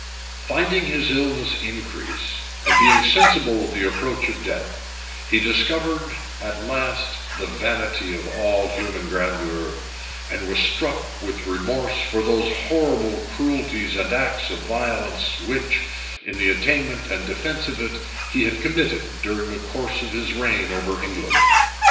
Finding his illness increase, and being sensible of the approach of death, he discovered at last the vanity of all human grandeur, and was struck with remorse for those horrible cruelties and acts of violence, which, in the attainment and defence of it, he had committed during the course of his reign over England.